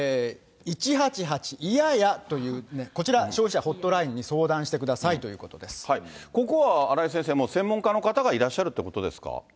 １８８いややというね、こちら、消費者ホットラインに相談しここは荒井先生、専門家の方がいらっしゃるということですか？